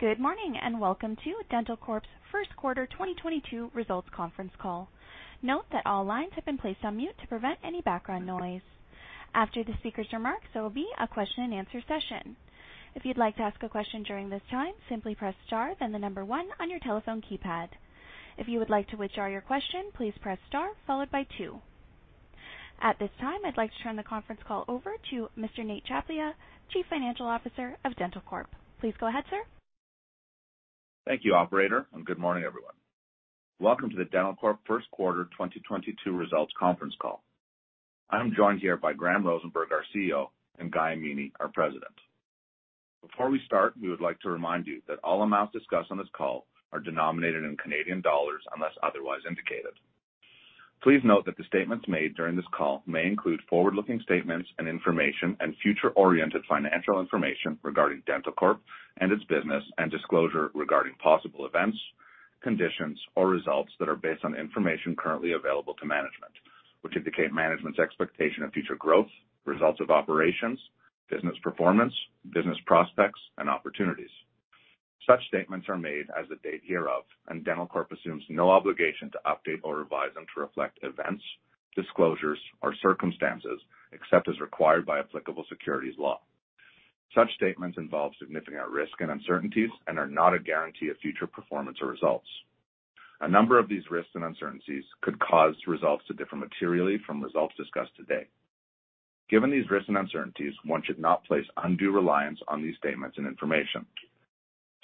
Good morning, and welcome to dentalcorp's Q1 2022 Results Conference Call. Note that all lines have been placed on mute to prevent any background noise. After the speaker's remarks, there will be a question-and-answer session. If you'd like to ask a question during this time, simply press star then the number one on your telephone keypad. If you would like to withdraw your question, please press star followed by two. At this time, I'd like to turn the conference call over to Mr. Nate Tchaplia, Chief Financial Officer of dentalcorp. Please go ahead, sir. Thank you, operator, and good morning, everyone. Welcome to the dentalcorp Q1 2022 results conference call. I am joined here by Graham Rosenberg, our CEO, and Guy Amini, our President. Before we start, we would like to remind you that all amounts discussed on this call are denominated in Canadian dollars unless otherwise indicated. Please note that the statements made during this call may include forward-looking statements and information and future-oriented financial information regarding dentalcorp and its business and disclosure regarding possible events, conditions, or results that are based on information currently available to management, which indicate management's expectation of future growth, results of operations, business performance, business prospects, and opportunities. Such statements are made as of the date hereof, and dentalcorp assumes no obligation to update or revise them to reflect events, disclosures, or circumstances except as required by applicable securities law. Such statements involve significant risk and uncertainties and are not a guarantee of future performance or results. A number of these risks and uncertainties could cause results to differ materially from results discussed today. Given these risks and uncertainties, one should not place undue reliance on these statements and information.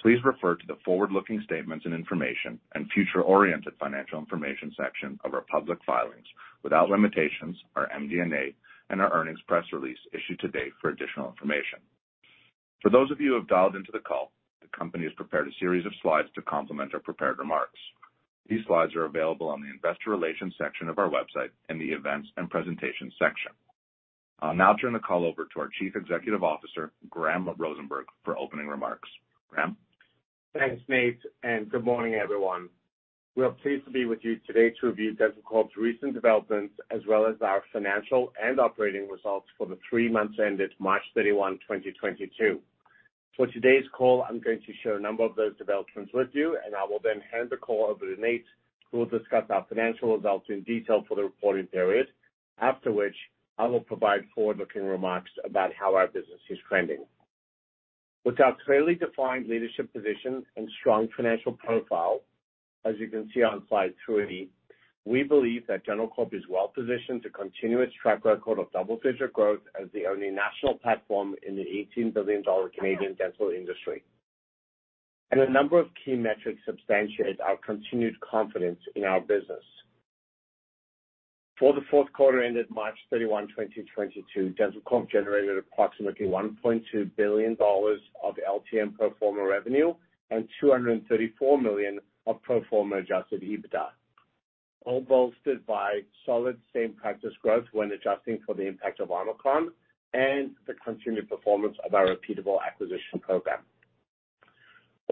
Please refer to the forward-looking statements and information and future-oriented financial information section of our public filings without limitations, our MD&A, and our earnings press release issued to date for additional information. For those of you who have dialed into the call, the company has prepared a series of slides to complement our prepared remarks. These slides are available on the investor relations section of our website in the Events and Presentation section. I'll now turn the call over to our Chief Executive Officer, Graham Rosenberg, for opening remarks. Graham? Thanks, Nate, and good morning, everyone. We are pleased to be with you today to review dentalcorp's recent developments as well as our financial and operating results for the three months ended March 31, 2022. For today's call, I'm going to share a number of those developments with you, and I will then hand the call over to Nate, who will discuss our financial results in detail for the reporting period. After which, I will provide forward-looking remarks about how our business is trending. With our clearly defined leadership position and strong financial profile, as you can see on slide three, we believe that dentalcorp is well-positioned to continue its track record of double-digit growth as the only national platform in the 18 billion Canadian dollars dental industry. A number of key metrics substantiate our continued confidence in our business. For the Q4 ended March 31, 2022, dentalcorp generated approximately 1.2 billion dollars of LTM pro forma revenue and 234 million of pro forma adjusted EBITDA, all bolstered by solid same practice growth when adjusting for the impact of Omicron and the continued performance of our repeatable acquisition program.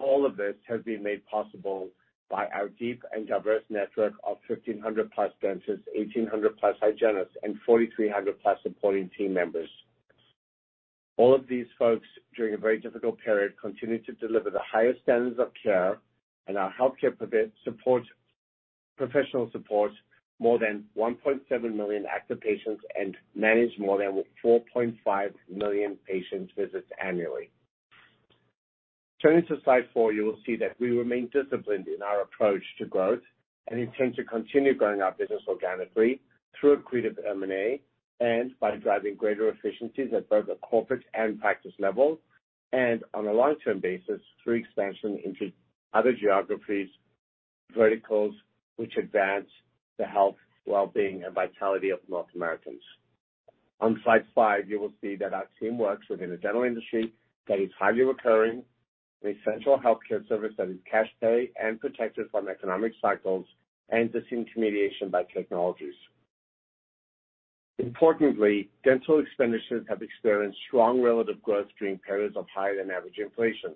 All of this has been made possible by our deep and diverse network of 1,500+ dentists, 1,800+ hygienists, and 4,300+ supporting team members. All of these folks, during a very difficult period, continue to deliver the highest standards of care and our healthcare professional support more than 1.7 million active patients and manage more than 4.5 million patient visits annually. Turning to slide four, you will see that we remain disciplined in our approach to growth and intend to continue growing our business organically through accretive M&A and by driving greater efficiencies at both a corporate and practice level and on a long-term basis through expansion into other geographies, verticals which advance the health, well-being, and vitality of North Americans. On slide five, you will see that our team works within a dental industry that is highly recurring, an essential healthcare service that is cash pay and protected from economic cycles and disintermediation by technologies. Importantly, dental expenditures have experienced strong relative growth during periods of higher than average inflation.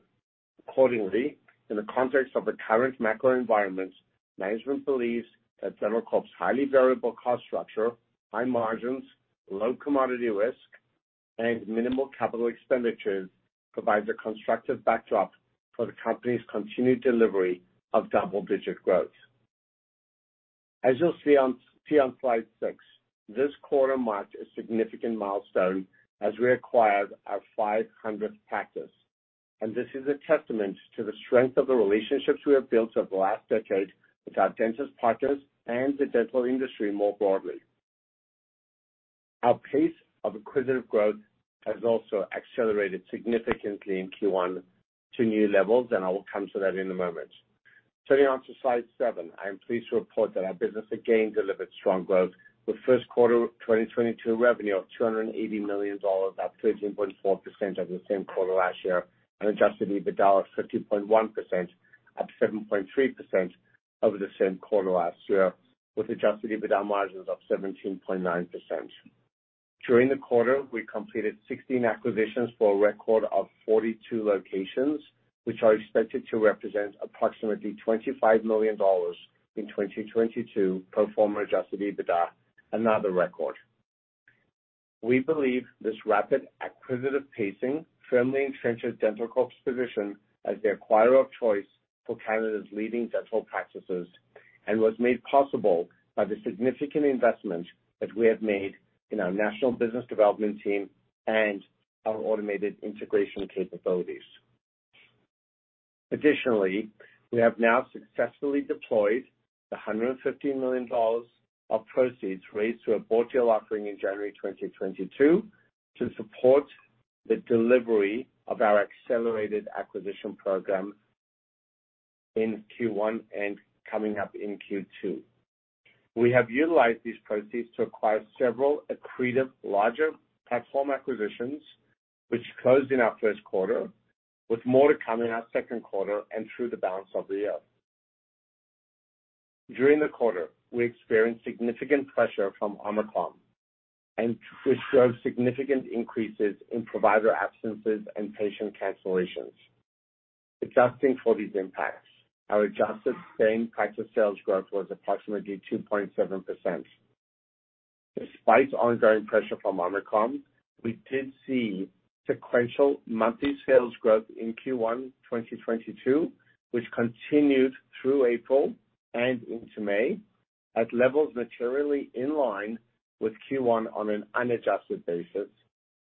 Accordingly, in the context of the current macro environment, management believes that dentalcorp's highly variable cost structure, high margins, low commodity risk, and minimal capital expenditures provides a constructive backdrop for the company's continued delivery of double-digit growth. As you'll see on slide six, this quarter marked a significant milestone as we acquired our 500th practice, and this is a testament to the strength of the relationships we have built over the last decade with our dentist partners and the dental industry more broadly. Our pace of acquisitive growth has also accelerated significantly in Q1 to new levels, and I will come to that in a moment. Turning on to slide seven, I am pleased to report that our business again delivered strong growth with Q1 2022 revenue of 280 million dollars, up 13.4% over the same quarter last year, and adjusted EBITDA of 50.1 million, up 7.3% over the same quarter last year, with adjusted EBITDA margins of 17.9%. During the quarter, we completed 16 acquisitions for a record of 42 locations, which are expected to represent approximately 25 million dollars in 2022 pro forma adjusted EBITDA, another record. We believe this rapid acquisitive pacing firmly entrenches dentalcorp's position as the acquirer of choice for Canada's leading dental practices and was made possible by the significant investment that we have made in our national business development team and our automated integration capabilities. Additionally, we have now successfully deployed the 150 million dollars of proceeds raised through a retail offering in January 2022 to support the delivery of our accelerated acquisition program in Q1 and coming up in Q2. We have utilized these proceeds to acquire several accretive larger platform acquisitions which closed in our Q1, with more to come in our Q2 and through the balance of the year. During the quarter, we experienced significant pressure from Omicron, which drove significant increases in provider absences and patient cancellations. Adjusting for these impacts, our adjusted same practice sales growth was approximately 2.7%. Despite ongoing pressure from Omicron, we did see sequential monthly sales growth in Q1 2022, which continued through April and into May at levels materially in line with Q1 on an unadjusted basis,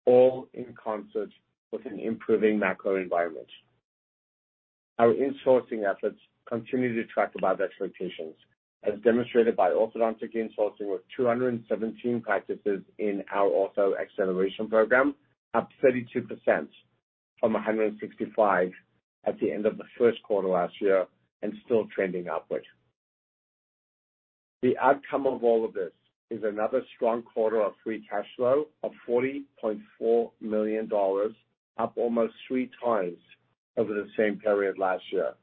all in concert with an improving macro environment. Our insourcing efforts continue to track above expectations, as demonstrated by orthodontic insourcing with 217 practices in our Ortho Acceleration Program, up 32% from 165 at the end of the Q1 last year and still trending upward. The outcome of all of this is another strong quarter of free cash flow of 40.4 million dollars, up almost three times over the same period last year.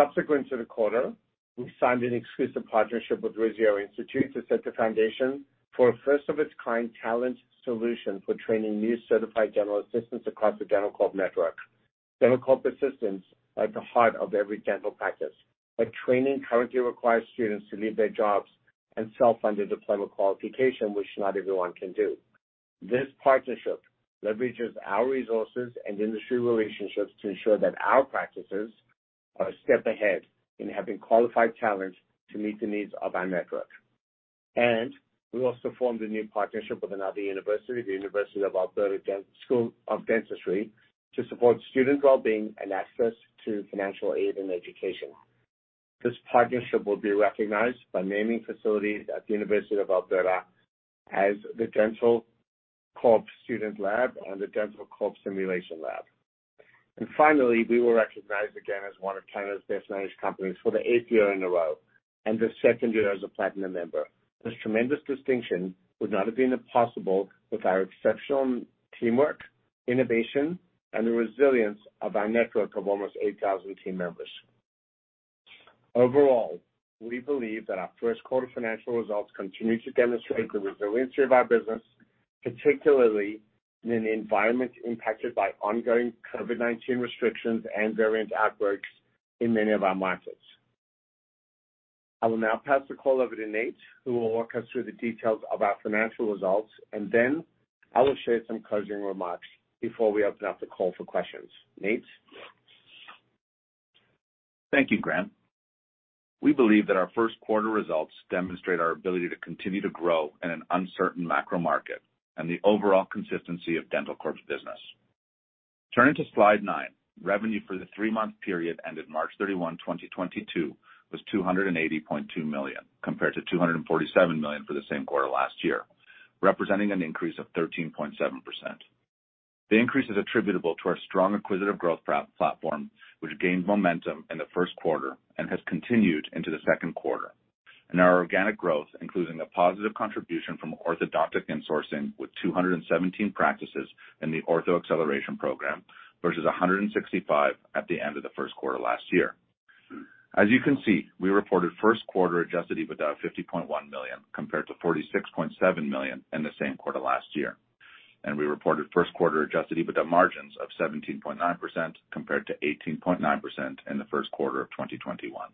Subsequent to the quarter, we signed an exclusive partnership with Risio Institute to set the foundation for a first of its kind talent solution for training new certified general assistants across the dentalcorp network. Dentalcorp assistants are at the heart of every dental practice, but training currently requires students to leave their jobs and self-fund their diploma qualification, which not everyone can do. This partnership leverages our resources and industry relationships to ensure that our practices are a step ahead in having qualified talent to meet the needs of our network. We also formed a new partnership with another university, the University of Alberta School of Dentistry, to support student well-being and access to financial aid and education. This partnership will be recognized by naming facilities at the University of Alberta as the dentalcorp Student Lab and the dentalcorp Simulation Lab. Finally, we were recognized again as one of Canada's Best Managed Companies for the eighth year in a row and the second year as a platinum member. This tremendous distinction would not have been possible without our exceptional teamwork, innovation, and the resilience of our network of almost 8,000 team members. Overall, we believe that our Q1 financial results continue to demonstrate the resiliency of our business, particularly in an environment impacted by ongoing COVID-19 restrictions and variant outbreaks in many of our markets. I will now pass the call over to Nate, who will walk us through the details of our financial results, and then I will share some closing remarks before we open up the call for questions. Nate? Thank you, Grant. We believe that our Q1 results demonstrate our ability to continue to grow in an uncertain macro market and the overall consistency of dentalcorp's business. Turning to slide nine, revenue for the three-month period ended March 31, 2022, was CAD 280.2 million, compared to CAD 247 million for the same quarter last year, representing an increase of 13.7%. The increase is attributable to our strong acquisitive growth platform, which gained momentum in the Q1 and has continued into the Q2. Our organic growth, including the positive contribution from orthodontic insourcing, with 217 practices in the Ortho Acceleration Program versus 165 at the end of the Q1 last year. As you can see, we reported Q1 adjusted EBITDA of 50.1 million, compared to 46.7 million in the same quarter last year, and we reported Q1 adjusted EBITDA margins of 17.9%, compared to 18.9% in the Q1 of 2021.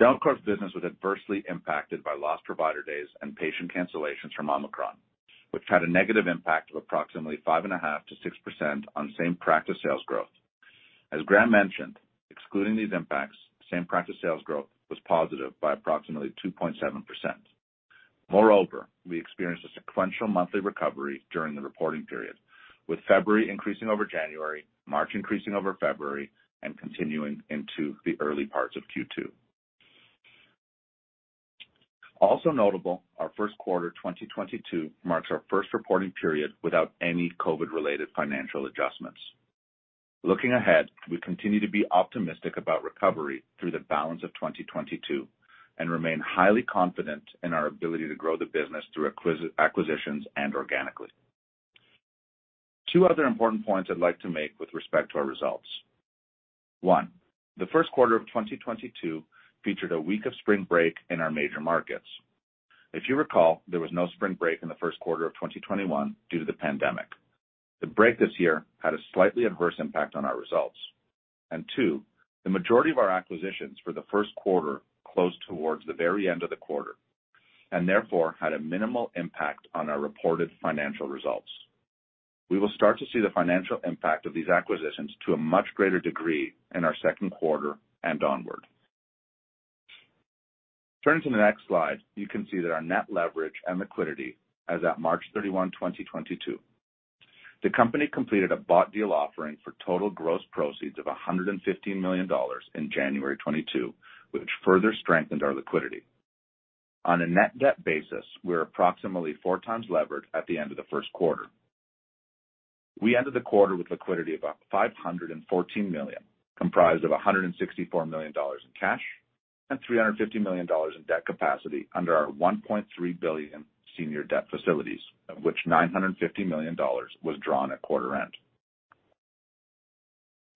Dentalcorp's business was adversely impacted by lost provider days and patient cancellations from Omicron, which had a negative impact of approximately 5.5%-6% on same practice sales growth. As Grant mentioned, excluding these impacts, same practice sales growth was positive by approximately 2.7%. Moreover, we experienced a sequential monthly recovery during the reporting period, with February increasing over January, March increasing over February, and continuing into the early parts of Q2. Also notable, our Q1 2022 marks our first reporting period without any COVID-related financial adjustments. Looking ahead, we continue to be optimistic about recovery through the balance of 2022 and remain highly confident in our ability to grow the business through acquisitions and organically. Two other important points I'd like to make with respect to our results. One, the Q1 of 2022 featured a week of spring break in our major markets. If you recall, there was no spring break in the Q1 of 2021 due to the pandemic. The break this year had a slightly adverse impact on our results. Two, the majority of our acquisitions for the Q1 closed towards the very end of the quarter and therefore had a minimal impact on our reported financial results. We will start to see the financial impact of these acquisitions to a much greater degree in our Q2 and onward. Turning to the next slide, you can see that our net leverage and liquidity as at March 31, 2022. The company completed a bought deal offering for total gross proceeds of 115 million dollars in January 2022, which further strengthened our liquidity. On a net debt basis, we're approximately 4x levered at the end of the Q1. We ended the quarter with liquidity of about 514 million, comprised of 164 million dollars in cash and 350 million dollars in debt capacity under our 1.3 billion senior debt facilities, of which 950 million dollars was drawn at quarter end.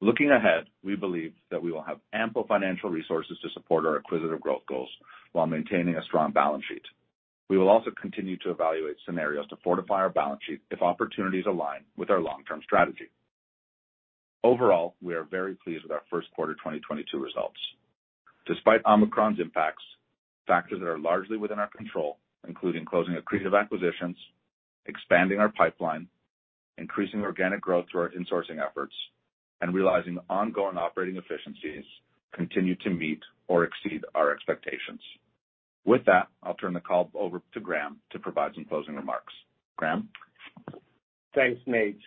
Looking ahead, we believe that we will have ample financial resources to support our acquisitive growth goals while maintaining a strong balance sheet. We will also continue to evaluate scenarios to fortify our balance sheet if opportunities align with our long-term strategy. Overall, we are very pleased with our Q1 2022 results. Despite Omicron's impacts, factors that are largely within our control, including closing accretive acquisitions, expanding our pipeline, increasing organic growth through our insourcing efforts, and realizing ongoing operating efficiencies continue to meet or exceed our expectations. With that, I'll turn the call over to Graham to provide some closing remarks. Graham? Thanks, Nate.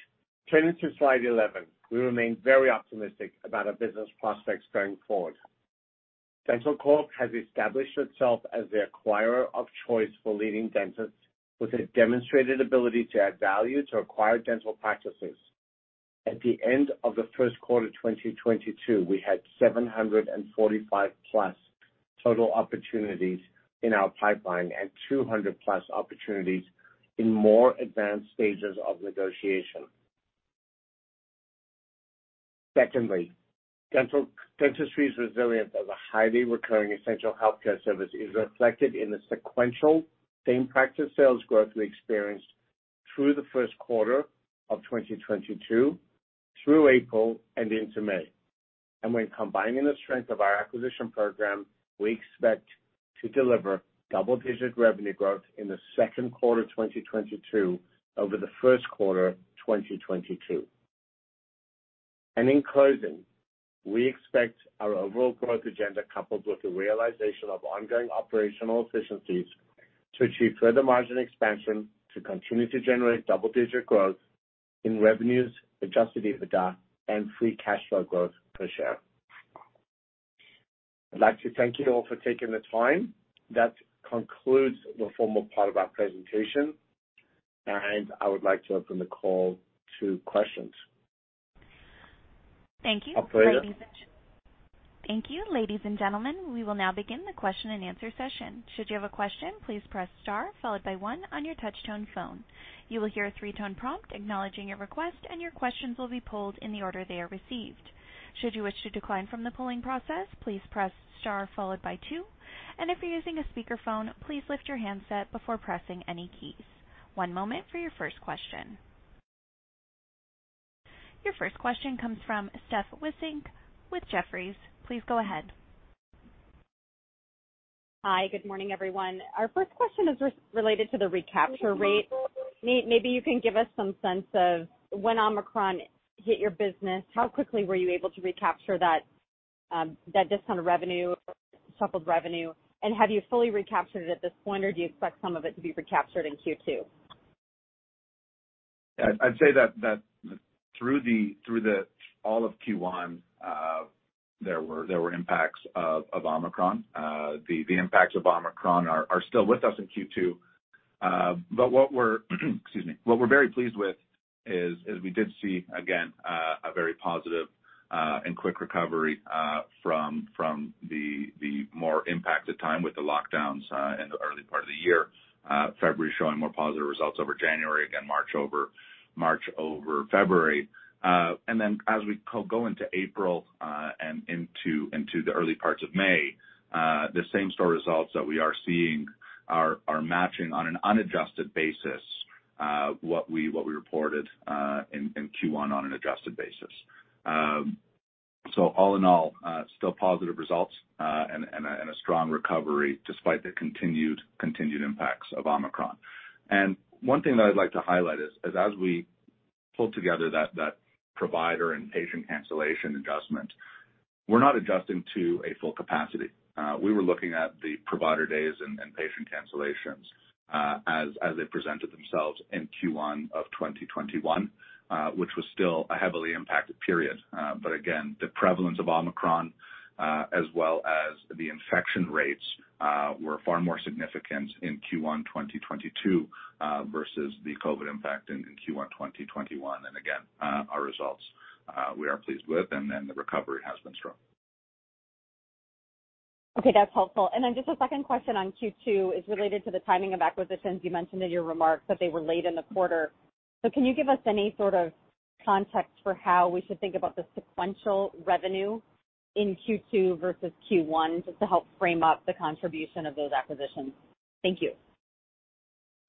Turning to slide 11, we remain very optimistic about our business prospects going forward. dentalcorp has established itself as the acquirer of choice for leading dentists with a demonstrated ability to add value to acquired dental practices. At the end of the Q1 2022, we had 745+ total opportunities in our pipeline and 200+ opportunities in more advanced stages of negotiation. Secondly, dentistry's resilience as a highly recurring essential healthcare service is reflected in the sequential same practice sales growth we experienced through the Q1 of 2022, through April and into May. When combining the strength of our acquisition program, we expect to deliver double-digit revenue growth in the Q2 2022 over the Q1 2022. In closing, we expect our overall growth agenda, coupled with the realization of ongoing operational efficiencies to achieve further margin expansion to continue to generate double-digit growth in revenues, adjusted EBITDA, and free cash flow growth per share. I'd like to thank you all for taking the time. That concludes the formal part of our presentation, and I would like to open the call to questions. Thank you. Operator? Thank you. Ladies and gentlemen, we will now begin the question-and-answer session. Your 1stquestion comes from Steph Wissink with Jefferies. Please go ahead. Hi. Good morning, everyone. Our 1st question is related to the recapture rate. Maybe you can give us some sense of when Omicron hit your business, how quickly were you able to recapture that discount of revenue or shuffled revenue, and have you fully recaptured it at this point, or do you expect some of it to be recaptured in Q2? Yeah. I'd say that through all of Q1, there were impacts of Omicron. The impacts of Omicron are still with us in Q2. But what we're very pleased with is we did see again a very positive and quick recovery from the more impacted time with the lockdowns in the early part of the year, February showing more positive results over January, again, March over February. Then as we go into April and into the early parts of May, the same store results that we are seeing are matching on an unadjusted basis what we reported in Q1 on an adjusted basis. So all in all, still positive results, and a strong recovery despite the continued impacts of Omicron. One thing that I'd like to highlight is as we pulled together that provider and patient cancellation adjustment, we're not adjusting to a full capacity. We were looking at the provider days and patient cancellations, as they presented themselves in Q1 of 2021, which was still a heavily impacted period. Again, the prevalence of Omicron, as well as the infection rates, were far more significant in Q1 2022, versus the COVID impact in Q1 2021. Again, our results, we are pleased with, and then the recovery has been strong. Okay. That's helpful. Just a second question on Q2 is related to the timing of acquisitions. You mentioned in your remarks that they were late in the quarter. Can you give us any sort of context for how we should think about the sequential revenue in Q2 versus Q1 just to help frame up the contribution of those acquisitions? Thank you.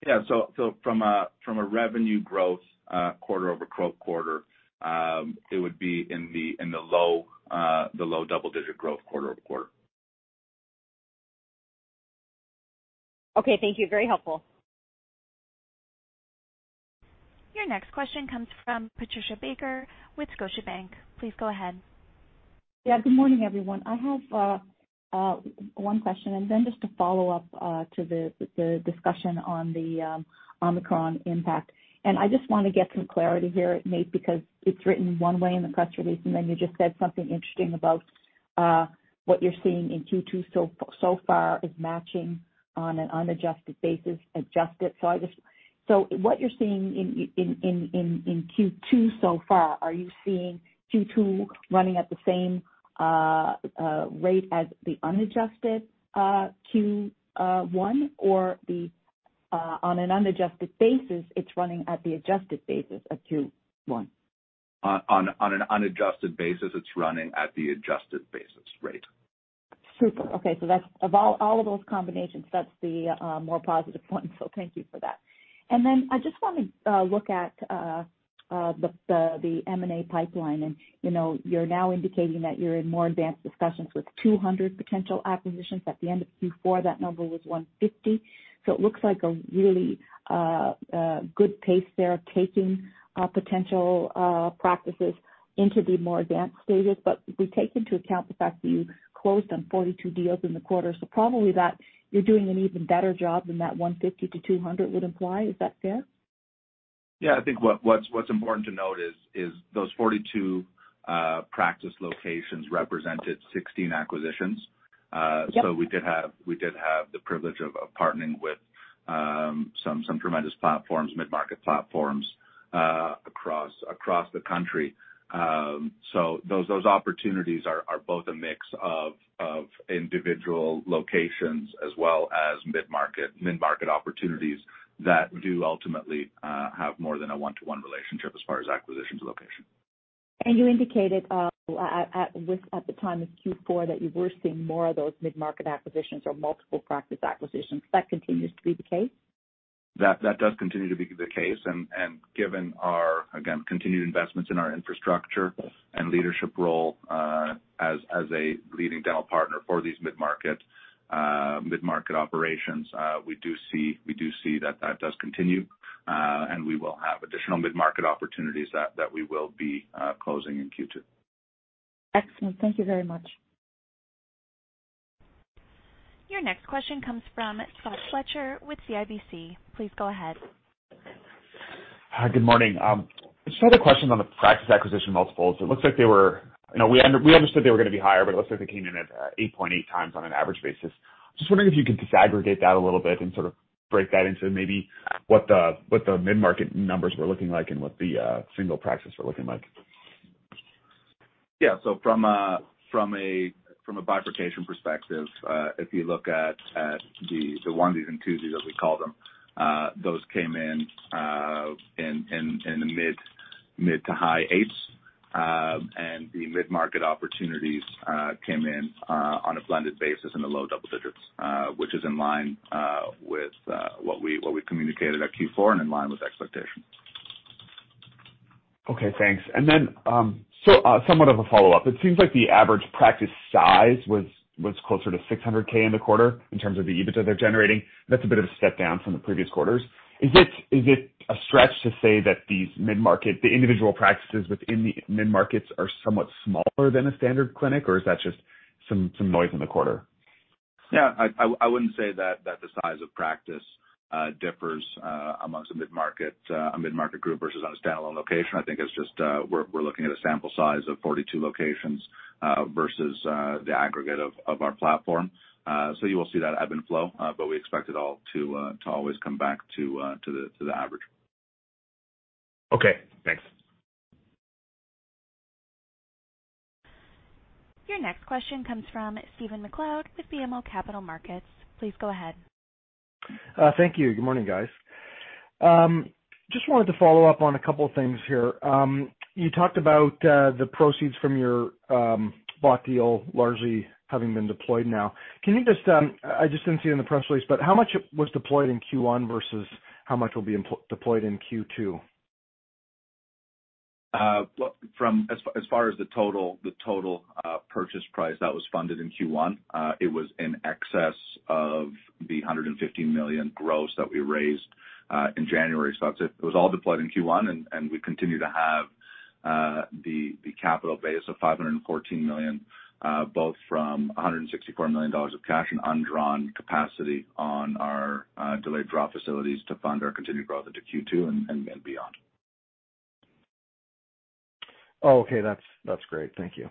Yeah. From a revenue growth quarter-over-quarter, it would be in the low double-digit growth quarter-over-quarter. Okay, thank you. Very helpful. Your next question comes from Patricia Baker with Scotiabank. Please go ahead. Yeah, good morning, everyone. I have one question and then just to follow up to the discussion on the Omicron impact. I just want to get some clarity here, Nate, because it's written one way in the press release, and then you just said something interesting about what you're seeing in Q2 so far is matching on an unadjusted basis, adjusted. What you're seeing in Q2 so far? Are you seeing Q2 running at the same rate as the unadjusted Q1 or on an unadjusted basis, it's running at the adjusted basis of Q1. On an unadjusted basis, it's running at the adjusted basis rate. Super. Okay. That's one of all those combinations, that's the more positive one. Thank you for that. I just wanna look at the M&A pipeline. You know, you're now indicating that you're in more advanced discussions with 200 potential acquisitions. At the end of Q4, that number was 150. It looks like a really good pace there of taking potential practices into the more advanced stages. If we take into account the fact that you closed on 42 deals in the quarter, so probably that you're doing an even better job than that 150-200 would imply. Is that fair? Yeah. I think what's important to note is those 42 practice locations represented 16 acquisitions. Yep. We did have the privilege of partnering with some tremendous platforms, mid-market platforms, across the country. Those opportunities are both a mix of individual locations as well as mid-market opportunities that do ultimately have more than a one-to-one relationship as far as acquisitions location. You indicated, at least at the time of Q4, that you were seeing more of those mid-market acquisitions or multiple practice acquisitions. That continues to be the case? That does continue to be the case. Given our again continued investments in our infrastructure and leadership role as a leading dental partner for these mid-market operations, we do see that does continue, and we will have additional mid-market opportunities that we will be closing in Q2. Excellent. Thank you very much. Your next question comes from Scott Fletcher with CIBC. Please go ahead. Hi. Good morning. I just had a question on the practice acquisition multiples. It looks like they were. We understood they were gonna be higher, but it looks like they came in at 8.8x on an average basis. Just wondering if you could disaggregate that a little bit and sort of break that into maybe what the mid-market numbers were looking like and what the single practice were looking like. Yeah. From a bifurcation perspective, if you look at the onesies and twosies, as we call them, those came in the mid to high-8%. The mid-market opportunities came in, on a blended basis, in the low double digits, which is in line with what we communicated at Q4 and in line with expectations. Okay, thanks. Somewhat of a follow-up. It seems like the average practice size was closer to 600 thousand in the quarter in terms of the EBITDA they're generating. That's a bit of a step down from the previous quarters. Is it a stretch to say that these mid-market, the individual practices within the mid markets are somewhat smaller than a standard clinic, or is that just some noise in the quarter? Yeah, I wouldn't say that the size of practice differs among the mid-market, a mid-market group versus on a standalone location. I think it's just, we're looking at a sample size of 42 locations versus the aggregate of our platform. You will see that ebb and flow, but we expect it all to always come back to the average. Okay, thanks. Your next question comes from Stephen MacLeod with BMO Capital Markets. Please go ahead. Thank you. Good morning, guys. Just wanted to follow up on a couple of things here. You talked about the proceeds from your bought deal largely having been deployed now. Can you just, I just didn't see it in the press release, but how much was deployed in Q1 versus how much will be deployed in Q2? Well, as far as the total purchase price, that was funded in Q1. It was in excess of 150 million gross that we raised in January. It was all deployed in Q1, and we continue to have the capital base of 514 million, both from 164 million dollars of cash and undrawn capacity on our delayed draw facilities to fund our continued growth into Q2 and beyond. Oh, okay. That's great. Thank you.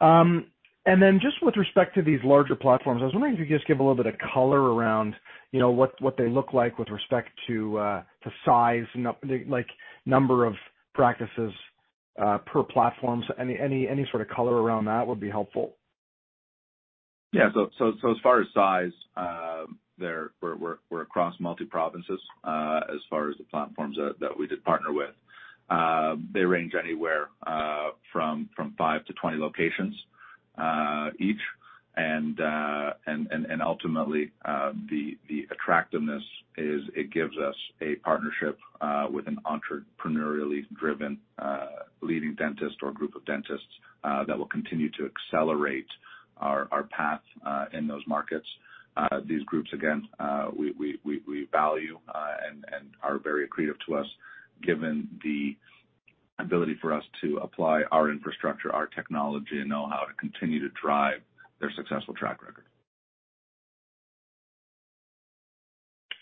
Then just with respect to these larger platforms, I was wondering if you could just give a little bit of color around, you know, what they look like with respect to size, like number of practices, per platform. Any sort of color around that would be helpful. As far as size, we're across multiple provinces, as far as the platforms that we did partner with. They range anywhere from five to 20 locations. Each and ultimately, the attractiveness is it gives us a partnership with an entrepreneurially driven leading dentist or group of dentists that will continue to accelerate our path in those markets. These groups, again, we value and are very accretive to us given the ability for us to apply our infrastructure, our technology and know-how to continue to drive their successful track record.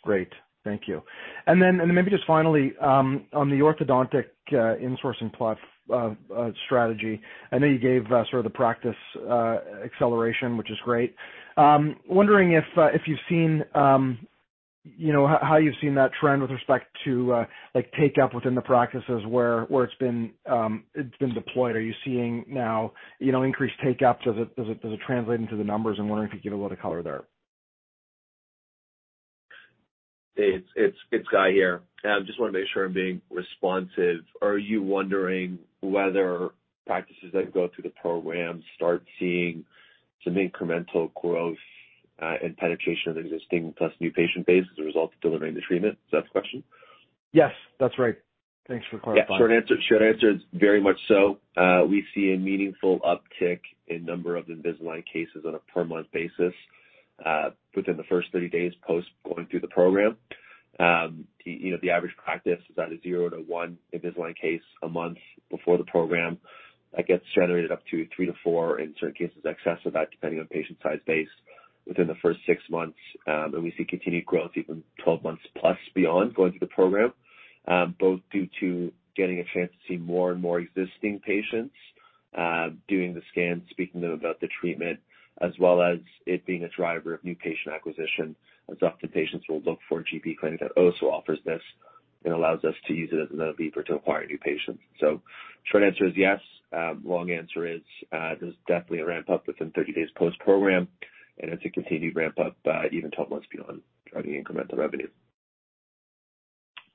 Great. Thank you. Maybe just finally, on the orthodontic insourcing plan strategy, I know you gave sort of the practice acceleration, which is great. Wondering if you've seen, you know, how you've seen that trend with respect to, like, take-up within the practices where it's been deployed. Are you seeing now, you know, increased take-up? Does it translate into the numbers? I'm wondering if you could give a little color there. It's Guy here. I just wanna make sure I'm being responsive. Are you wondering whether practices that go through the program start seeing some incremental growth, and penetration of existing plus new patient base as a result of delivering the treatment? Is that the question? Yes. That's right. Thanks for clarifying. Yeah. Short answer is very much so. We see a meaningful uptick in number of Invisalign cases on a per month basis, within the first 30 days post going through the program. You know, the average practice is at a zero to one Invisalign case a month before the program. That gets generated up to three to four, in certain cases in excess of that, depending on patient size base, within the first six months. We see continued growth even 12 months plus beyond going through the program, both due to getting a chance to see more and more existing patients, doing the scan, speaking to them about the treatment, as well as it being a driver of new patient acquisition, as often patients will look for a GP clinic that also offers this and allows us to use it as another lever to acquire new patients. Short answer is yes. Long answer is, there's definitely a ramp-up within 30 days post-program, and it's a continued ramp-up, even 12 months beyond driving incremental revenue.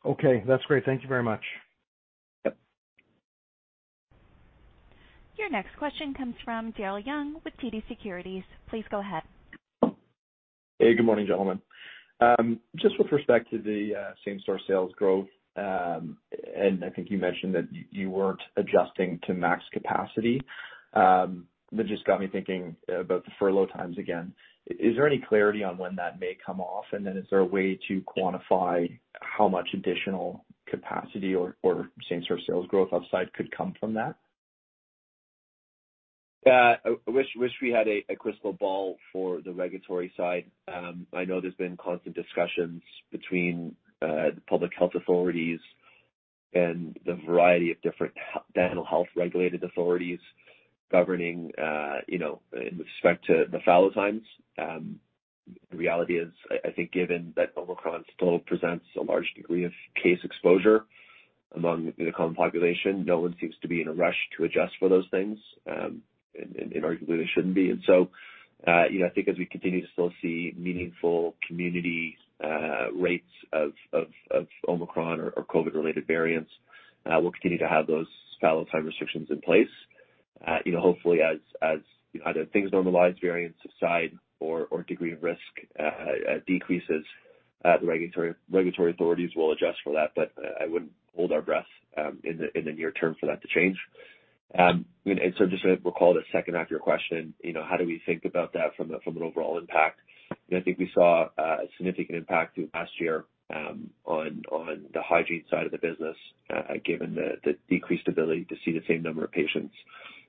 Okay, that's great. Thank you very much. Yep. Your next question comes from Darryl Young with TD Securities. Please go ahead. Hey, good morning, gentlemen. Just with respect to the same practice sales growth, and I think you mentioned that you weren't adjusting to max capacity. That just got me thinking about the fallow times again. Is there any clarity on when that may come off? Is there a way to quantify how much additional capacity or same practice sales growth upside could come from that? Yeah. I wish we had a crystal ball for the regulatory side. I know there's been constant discussions between the public health authorities and the variety of different dental health regulated authorities governing, you know, with respect to the fallow times. The reality is, I think given that Omicron still presents a large degree of case exposure among the common population, no one seems to be in a rush to adjust for those things, and arguably they shouldn't be. You know, I think as we continue to still see meaningful community rates of Omicron or COVID-related variants, we'll continue to have those fallow time restrictions in place. You know, hopefully as you know, either things normalize, variants subside or degree of risk decreases, the regulatory authorities will adjust for that. I wouldn't hold our breath in the near term for that to change. Just to recall the second half of your question, you know, how do we think about that from an overall impact? You know, I think we saw a significant impact through last year on the hygiene side of the business, given the decreased ability to see the same number of patients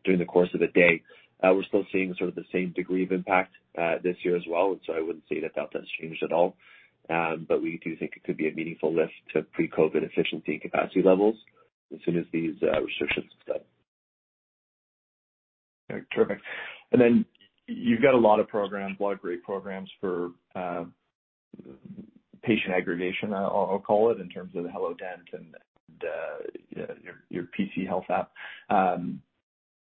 during the course of a day. We're still seeing sort of the same degree of impact this year as well, and so I wouldn't say that has changed at all. We do think it could be a meaningful lift to pre-COVID efficiency and capacity levels as soon as these restrictions lift. Okay. Terrific. You've got a lot of programs, a lot of great programs for patient aggregation, I'll call it, in terms of the hellodent and your PC Health app.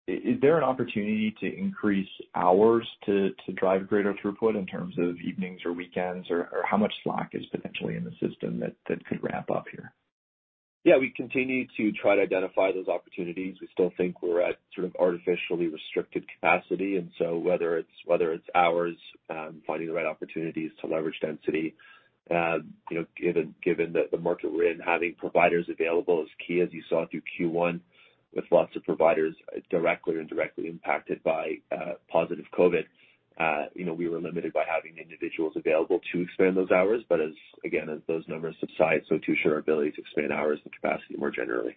Is there an opportunity to increase hours to drive greater throughput in terms of evenings or weekends or how much slack is potentially in the system that could ramp up here? Yeah. We continue to try to identify those opportunities. We still think we're at sort of artificially restricted capacity. Whether it's hours, finding the right opportunities to leverage density, you know, given the market we're in, having providers available is key as you saw through Q1 with lots of providers directly or indirectly impacted by positive COVID. You know, we were limited by having individuals available to expand those hours. As those numbers subside, so too shall our ability to expand hours and capacity more generally.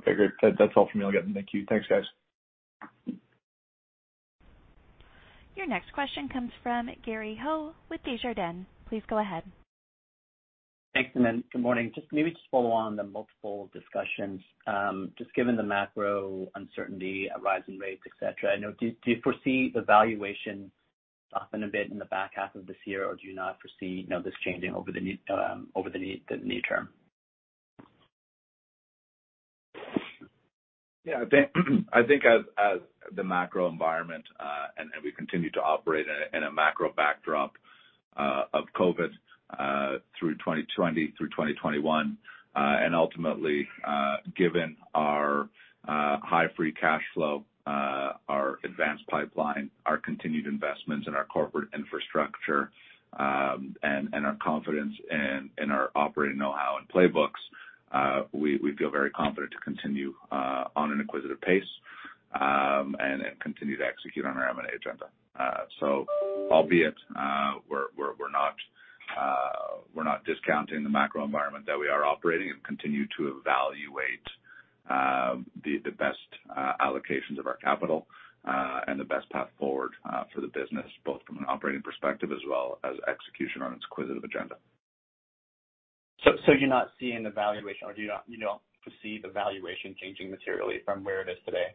Okay, great. That's all for me. Thank you. Thanks, guys. Your next question comes from Gary Ho with Desjardins. Please go ahead. Thanks, good morning. Just maybe follow on the multiple discussions. Just given the macro uncertainty, rising rates, et cetera, I know, do you foresee the valuation soften a bit in the back half of this year or do you not foresee, you know, this changing over the near term? Yeah. I think as the macro environment and we continue to operate in a macro backdrop of COVID through 2020 through 2021. Ultimately, given our high free cash flow, our advanced pipeline, our continued investments in our corporate infrastructure, and our confidence and our operating know-how and playbooks, we feel very confident to continue on an acquisitive pace, and then continue to execute on our M&A agenda. Albeit, we're not discounting the macro environment that we are operating and continue to evaluate the best allocations of our capital, and the best path forward for the business, both from an operating perspective as well as execution on its acquisitive agenda. You're not seeing the valuation or you don't foresee the valuation changing materially from where it is today?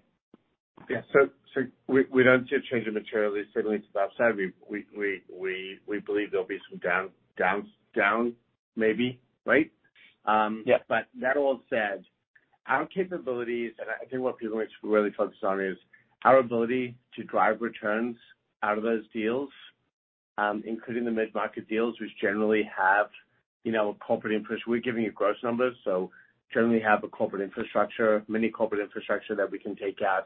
Yeah. We don't see a change materially certainly to the upside. We believe there'll be some down maybe, right? Yeah. That all said, our capabilities and I think what people need to really focus on is our ability to drive returns out of those deals, including the mid-market deals, which generally have, you know, we're giving you gross numbers, so generally have a corporate infrastructure, mini corporate infrastructure that we can take out.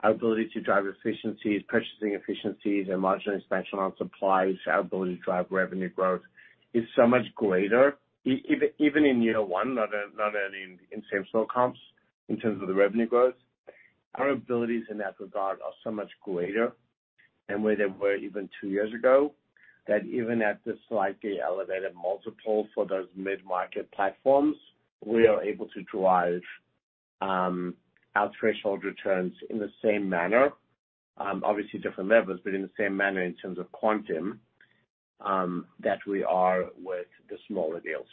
Our ability to drive efficiencies, purchasing efficiencies and margin expansion on supplies, our ability to drive revenue growth is so much greater even in year one, not only in same store comps in terms of the revenue growth. Our abilities in that regard are so much greater than where they were even two years ago, that even at the slightly elevated multiples for those mid-market platforms, we are able to drive our threshold returns in the same manner. Obviously different levels, but in the same manner in terms of quantum, that we are with the smaller deals.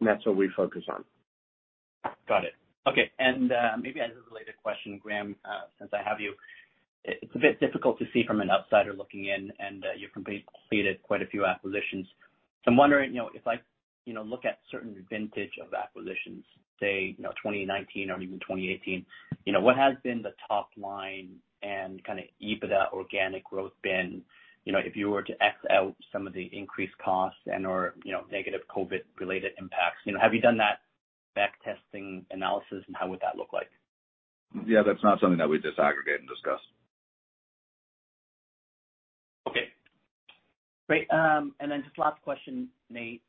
That's what we focus on. Got it. Okay. Maybe as a related question, Graham, since I have you. It's a bit difficult to see from an outsider looking in, and you've completed quite a few acquisitions. I'm wondering, you know, if I, you know, look at certain vintage of acquisitions, say, you know, 2019 or even 2018, you know, what has been the top line and kind of EBITDA organic growth been, you know, if you were to X out some of the increased costs and/or, you know, negative COVID-related impacts. You know, have you done that backtesting analysis and how would that look like? Yeah. That's not something that we disaggregate and discuss. Okay, great. Just last question, Nate.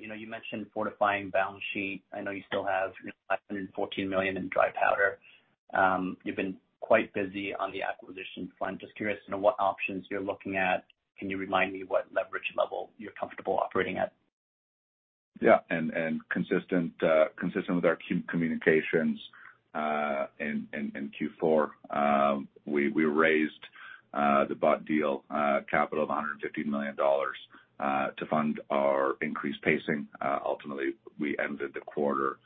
You know, you mentioned fortifying balance sheet. I know you still have 514 million in dry powder. You've been quite busy on the acquisition front. Just curious, you know, what options you're looking at. Can you remind me what leverage level you're comfortable operating at? Yeah. Consistent with our communications in Q4, we raised the bought deal capital of 150 million dollars to fund our increased pacing. Ultimately, we ended the quarter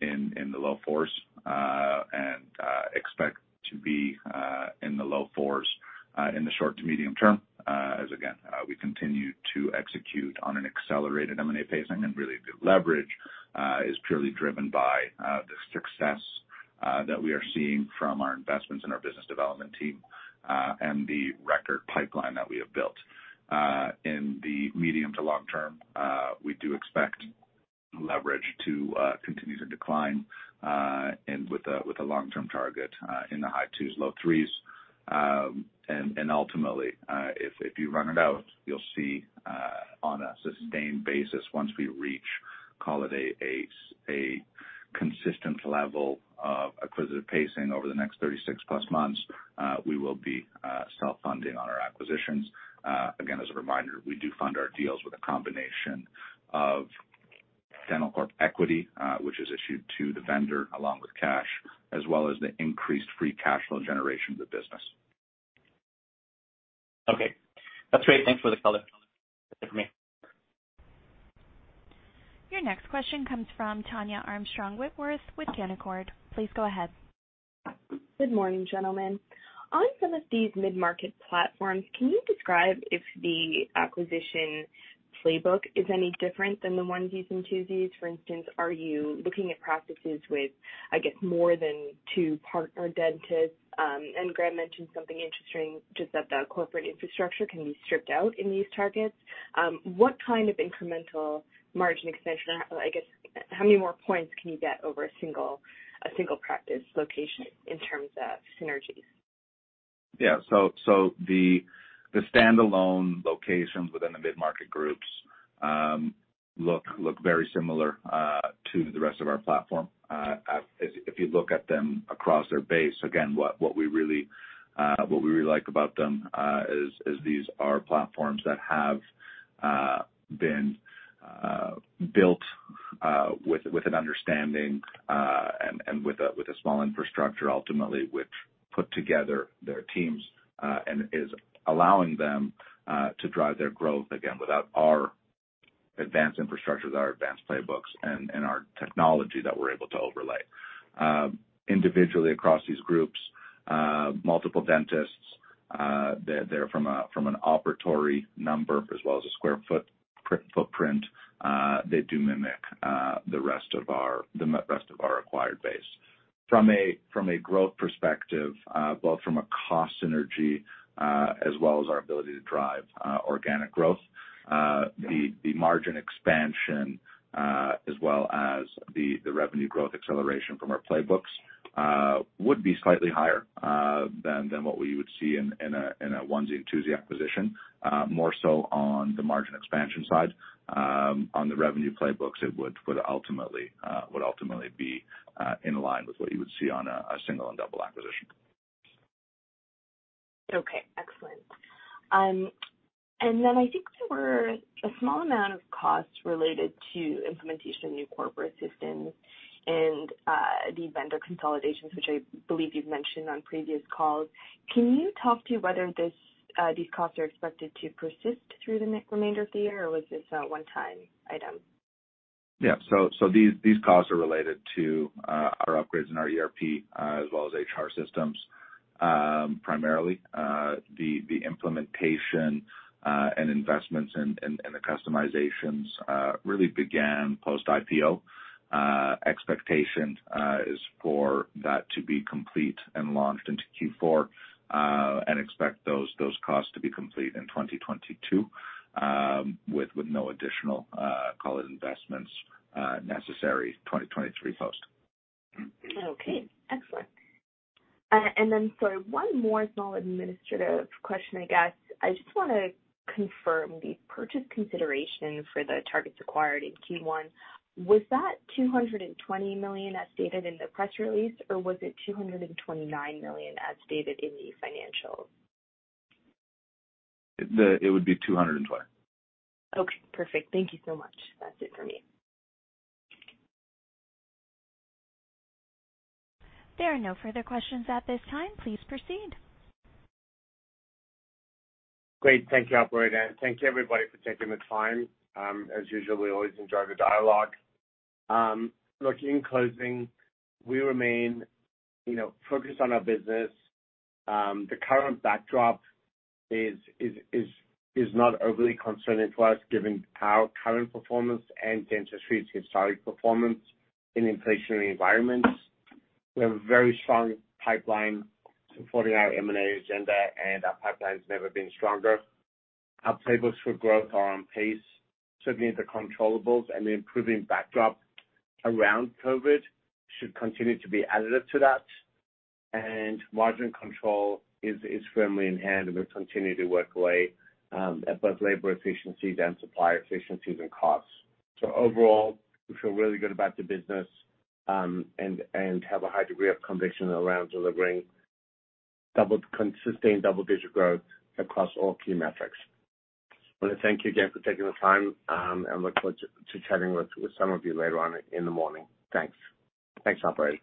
in the low fours and expect to be in the low fours in the short to medium term as again we continue to execute on an accelerated M&A pacing. Really the leverage is purely driven by the success that we are seeing from our investments and our business development team and the record pipeline that we have built. In the medium to long term, we do expect leverage to continue to decline and with a long-term target in the high twos, low threes. Ultimately, if you run it out, you'll see on a sustained basis, once we reach, call it a consistent level of acquisitive pacing over the next 36+ months, we will be self-funding on our acquisitions. Again, as a reminder, we do fund our deals with a combination of dentalcorp equity, which is issued to the vendor along with cash, as well as the increased free cash flow generation of the business. Okay. That's great. Thanks for the color. That's it for me. Your next question comes from Tania Armstrong-Whitworth with Canaccord. Please go ahead. Good morning, gentlemen. On some of these mid-market platforms, can you describe if the acquisition playbook is any different than the onesies and twosies? For instance, are you looking at practices with, I guess, more than two partner dentists? Graham mentioned something interesting, just that the corporate infrastructure can be stripped out in these targets. What kind of incremental margin expansion or I guess, how many more points can you get over a single practice location in terms of synergies? The stand-alone locations within the mid-market groups look very similar to the rest of our platform. If you look at them across their base, again, what we really like about them is these are platforms that have been built with an understanding and with a small infrastructure ultimately, which put together their teams and is allowing them to drive their growth, again, without our advanced infrastructure, our advanced playbooks and our technology that we're able to overlay. Individually across these groups, multiple dentists, they're from an operatory number as well as a square foot footprint, they do mimic the rest of our acquired base. From a growth perspective, both from a cost synergy as well as our ability to drive organic growth, the margin expansion as well as the revenue growth acceleration from our playbooks would be slightly higher than what we would see in a onesie-twosie acquisition. More so on the margin expansion side. On the revenue playbooks, it would ultimately be in line with what you would see on a single and double acquisition. Okay. Excellent. I think there were a small amount of costs related to implementation of new corporate systems and the vendor consolidations, which I believe you've mentioned on previous calls. Can you talk to whether this, these costs are expected to persist through the remainder of the year, or was this a one-time item? Yeah. These costs are related to our upgrades in our ERP as well as HR systems primarily. The implementation and investments and the customizations really began post-IPO. Expectation is for that to be complete and launched into Q4 and expect those costs to be complete in 2022 with no additional call it investments necessary 2023 post. Okay. Excellent. Sorry, one more small administrative question, I guess. I just wanna confirm the purchase consideration for the targets acquired in Q1. Was that 220 million as stated in the press release, or was it 229 million as stated in the financials? It would be 220. Okay, perfect. Thank you so much. That's it for me. There are no further questions at this time. Please proceed. Great. Thank you, operator, and thank you, everybody, for taking the time. As usual, we always enjoy the dialogue. Look, in closing, we remain, you know, focused on our business. The current backdrop is not overly concerning to us given our current performance and dentistry's historic performance in inflationary environments. We have a very strong pipeline supporting our M&A agenda, and our pipeline's never been stronger. Our playbooks for growth are on pace, certainly the controllables and the improving backdrop around COVID should continue to be additive to that. Margin control is firmly in hand, and we'll continue to work away at both labor efficiencies and supplier efficiencies and costs. Overall, we feel really good about the business, and have a high degree of conviction around delivering consistent double-digit growth across all key metrics. I wanna thank you again for taking the time, and look forward to chatting with some of you later on in the morning. Thanks. Thanks, operator.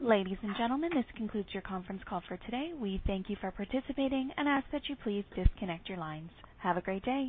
Ladies and gentlemen, this concludes your conference call for today. We thank you for participating and ask that you please disconnect your lines. Have a great day.